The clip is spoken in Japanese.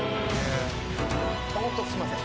ホントすいません。